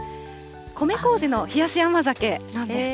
米こうじの冷やし甘酒なんです。